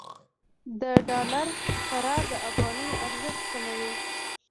د ډالر فرار د افغانۍ ارزښت کموي.